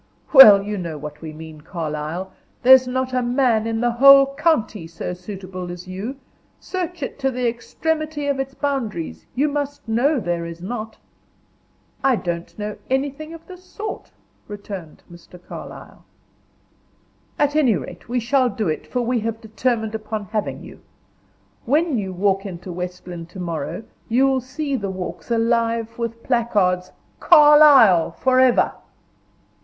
"Well, you know what we mean, Carlyle; there's not a man in the whole county so suitable as you, search it to the extremity of its boundaries you must know there is not." "I don't know anything of the sort," returned Mr. Carlyle. "At any rate, we shall do it, for we have determined upon having you. When you walk into West Lynne to morrow, you'll see the walks alive with placards, 'Carlyle forever!